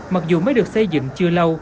mặc dù mới được xây dựng chưa lâu